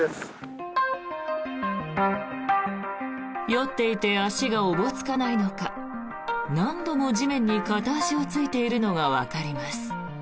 酔っていて足がおぼつかないのか何度も地面に片足をついているのがわかります。